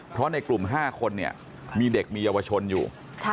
เพราะในกลุ่ม๕คนเนี่ยมีเด็กมีเยาวชนอยู่